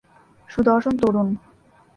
সুদর্শন তরুণ।